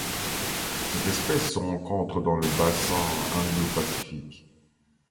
Cette espèce se rencontre dans le bassin Indo-Pacifique.